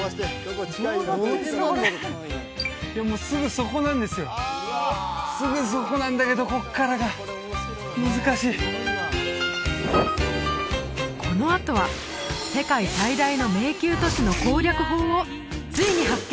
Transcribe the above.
これでもすぐそこなんですよすぐそこなんだけどこっからが難しいこのあとは世界最大の迷宮都市の攻略法をついに発見！